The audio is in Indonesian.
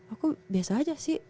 aku biasa aja sih